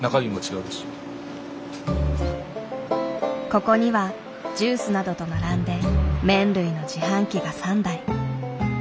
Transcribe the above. ここにはジュースなどと並んで麺類の自販機が３台。